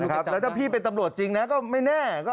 แล้วถ้าพี่เป็นตำรวจจริงนะก็ไม่แน่